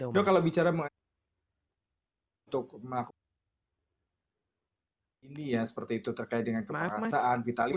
dok kalau bicara mengenai untuk melakukan ini ya seperti itu terkait dengan keperasaan vitalitas